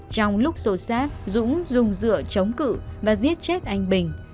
trong lúc xô sát dũng dùng dựa chống cự và giết chết anh bình